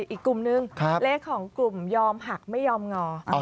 อีกกลุ่มนึงเลขของกลุ่มยอมหักไม่ยอมงอ